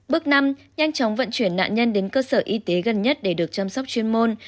bước năm nhanh chóng vận chuyển nạn nhân đến cơ sở y tế gần nhất để được chăm sóc chuyên môn